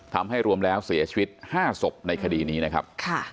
ทำให้รวมแล้วเสียชีวิต๕ศพในคดีนี้นะครับ